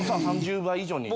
３０倍以上に。